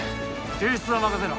救出は任せろ